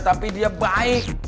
tapi dia baik